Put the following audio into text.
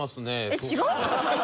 えっ違う？